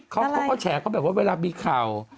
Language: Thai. เขาก็แฉเขาแบบว่าเวลามีข่าว